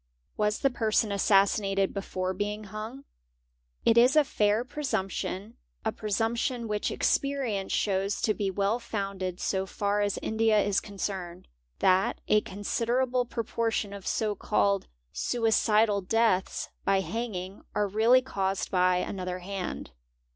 Was the person "assassinated before being hung? It isa fair presumption—a presumption which experience shows to be well founded so far as India is concerned— that a considerable proportion of so called suicidal deaths by hanging are 2 feally caused by another hand.